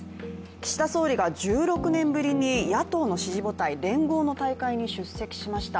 岸田総理が１６年ぶりに野党の支持母体、連合の大会に出席しました。